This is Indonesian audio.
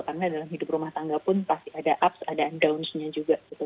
karena dalam hidup rumah tangga pun pasti ada ups ada downs nya juga gitu